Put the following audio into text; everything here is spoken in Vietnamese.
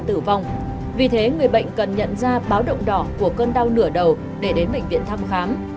tử vong vì thế người bệnh cần nhận ra báo động đỏ của cơn đau nửa đầu để đến bệnh viện thăm khám